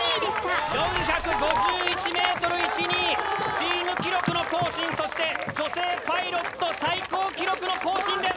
・４５１．１２ｍチーム記録の更新そして女性パイロット最高記録の更新です！